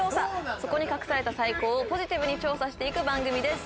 そこに隠された最高をポジティブに調査して行く番組です